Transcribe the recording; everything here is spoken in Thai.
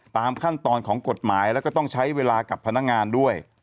ตามขั้นตอนของกฎหมายแล้วก็ต้องใช้เวลากับพนักงานด้วย